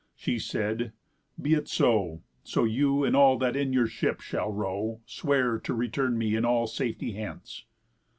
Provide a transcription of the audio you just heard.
She said: 'Be it so, So you, and all that in your ship shall row, Swear to return me in all safety hence.